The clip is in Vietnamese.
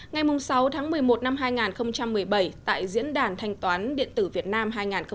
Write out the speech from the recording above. ngày sáu một mươi một hai nghìn một mươi bảy tại diễn đàn thanh toán điện tử việt nam hai nghìn một mươi bảy